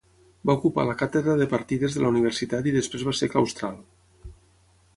Va ocupar la càtedra de Partides de la Universitat i després va ser claustral.